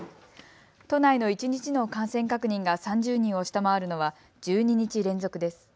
都内の一日の感染確認が３０人を下回るのは１２日連続です。